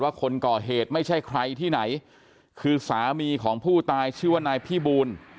คนก่อเหตุไม่ใช่ใครที่ไหนคือสามีของผู้ตายชื่อว่านายพี่บูล